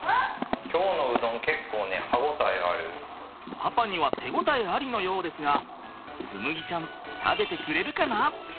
パパには手応えありのようですが紬ちゃん食べてくれるかな？